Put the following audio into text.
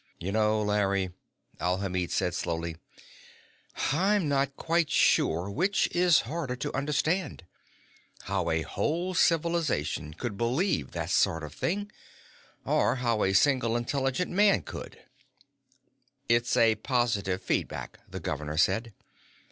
"You know, Larry," Alhamid said slowly, "I'm not quite sure which is harder to understand: How a whole civilization could believe that sort of thing, or how a single intelligent man could." "It's a positive feedback," the governor said.